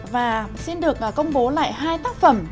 và xin được công bố lại hai tác phẩm